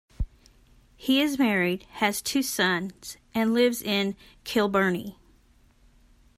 He is married, has two sons, and lives in Kilbirnie.